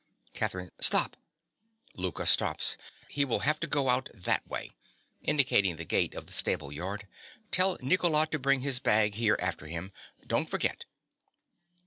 _) CATHERINE. Stop! (Louka stops.) He will have to go out that way (indicating the gate of the stable yard). Tell Nicola to bring his bag here after him. Don't forget.